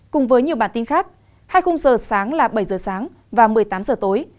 cùng với nhiều bản tin khác hai khung giờ sáng là bảy giờ sáng và một mươi tám giờ tối